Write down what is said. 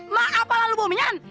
mak apa lu bominan